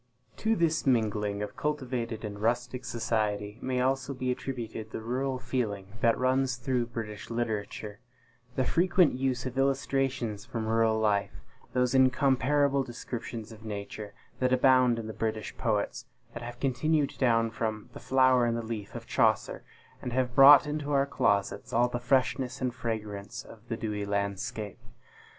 To this mingling of cultivated and rustic society may also be attributed the rural feeling that runs through British literature; the frequent use of illustrations from rural life; those incomparable descriptions of Nature, that abound in the British poets that have continued down from "The Flower and the Leaf," of Chaucer, and have brought into our closets all the freshness and fragrance of the dewy landscape.